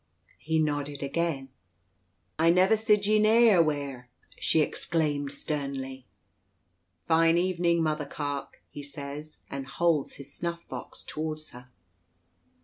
He nodded again. "I never sid ye neyawheere," she exclaimed sternly. "Fine evening, Mother Carke," he says, and holds his snuff box toward her.